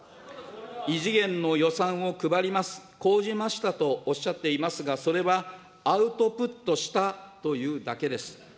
異次元の予算を配ります、講じましたとおっしゃっていますが、それは、アウトプットしたというだけです。